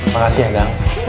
makasih ya gang